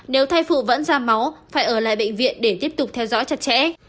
nếu thai phụ vẫn ra máu phải ở lại bệnh viện để tiếp tục theo dõi chặt chẽ